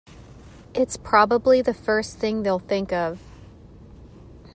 It's probably the first thing they'll think of.